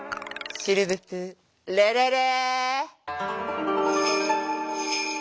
シルヴプレレレ！